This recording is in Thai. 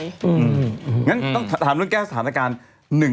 งั้นต้องถามเรื่องแก้สถานการณ์